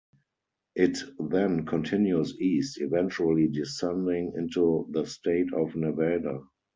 It then continues east, eventually descending into the state of Nevada.